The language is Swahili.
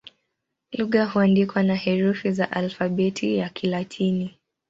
Lugha huandikwa na herufi za Alfabeti ya Kilatini.